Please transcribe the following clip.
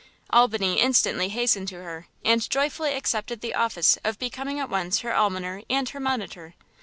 Albany instantly hastened to her, and joyfully accepted the office of becoming at once her Almoner and her Monitor.